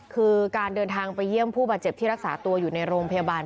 คือการเดินทางไปเยี่ยมผู้บาดเจ็บที่รักษาตัวอยู่ในโรงพยาบาล